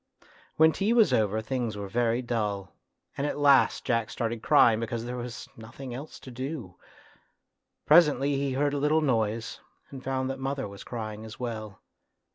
When tea was over things were very dull, and at last Jack started crying because there was nothing else to do. Presently he heard a little noise and found that mother was crying as well.